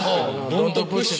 ドントプッシュ。